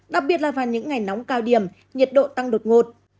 đặc biệt là vào những ngày nóng cao điểm nhiệt độ tăng đột ngột